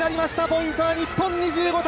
ポイントは日本、２５−１７！